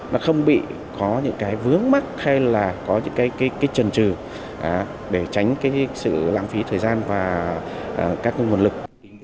nó không bị có những cái vướng mắt hay là có những cái trần trừ để tránh cái sự lãng phí thời gian và các nguồn lực